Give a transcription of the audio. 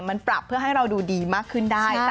มันปรับเพื่อให้เราดูดีมากขึ้นได้